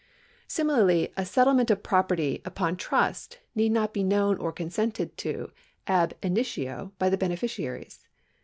Similarly a settlement of property upon trust need not be known or consented to ab initio by the beneficiaries.